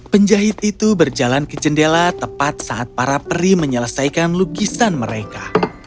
penjahit itu berjalan ke jendela tepat saat para peri menyelesaikan lukisan mereka